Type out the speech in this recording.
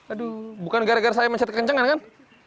aduh bukan gara gara saya mencet kencang kan